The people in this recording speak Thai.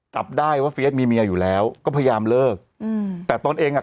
จับได้ว่าเฟียสมีเมียอยู่แล้วก็พยายามเลิกอืมแต่ตนเองอ่ะ